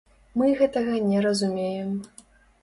Мы гэтага не разумеем.